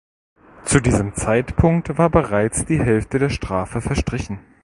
Zu diesem Zeitpunkt war bereits die Hälfte der Strafe verstrichen.